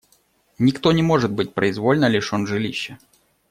Никто не может быть произвольно лишен жилища.